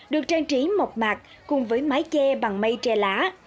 được trang trí mộc mạc cùng với mái che bằng mây tre lá